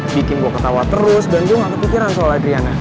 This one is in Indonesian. bikin gue ketawa terus dan gue gak kepikiran soal adriana